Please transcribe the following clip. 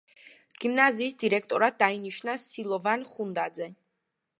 გიმნაზიის დირექტორად დაინიშნა სილოვან ხუნდაძე.